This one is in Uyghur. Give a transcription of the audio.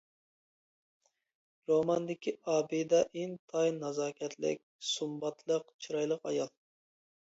روماندىكى ئابىدە ئىنتايىن نازاكەتلىك، سۇمباتلىق، چىرايلىق ئايال.